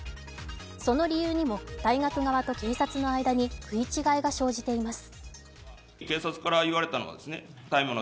その理由にも大学側と警察の間に食い違いが生じています。